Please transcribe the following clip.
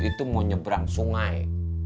itu mau nyebrang sungai